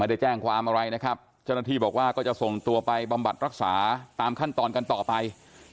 ได้แจ้งความอะไรนะครับเจ้าหน้าที่บอกว่าก็จะส่งตัวไปบำบัดรักษาตามขั้นตอนกันต่อไป